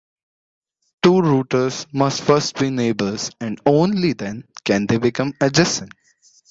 Two routers must first be neighbors and only then, can they become adjacent.